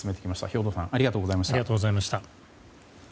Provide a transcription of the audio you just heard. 兵頭さんありがとうございました。